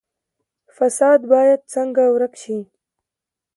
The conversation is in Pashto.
فساد باید څنګه ورک شي؟